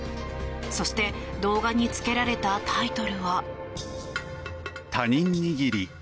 そして、動画につけられたタイトルは。